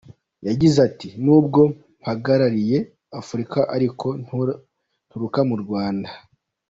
Yagize ati “N'ubwo mpagarariye Afurika ariko nturuka mu Rwanda.